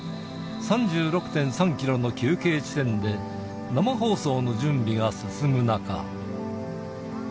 ３６．３キロの休憩地点で、生放送の準備が進む中。